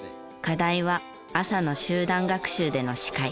課題は朝の集団学習での司会。